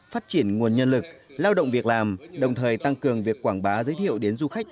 phát triển nguồn nhân lực lao động việc làm đồng thời tăng cường việc quảng bá giới thiệu đến du khách